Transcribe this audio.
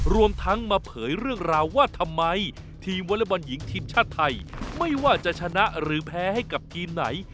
รวมทั้งมาเผยเรื่องราวว่าทำไมทีมวอเล็กบอลหญิงทีมชาติไทยไม่ว่าจะชนะหรือแพ้ให้กับทีมไหน